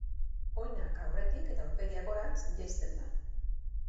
Oinak aurretik eta aurpegia gorantz jaisten da.